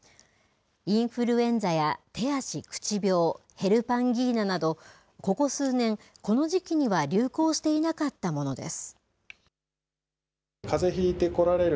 インフルエンザや手足口病ヘルパンギーナなどここ数年、この時期には流行していなかったものです。